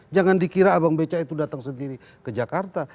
jangan dikira abang beca itu datang sendiri ke jakarta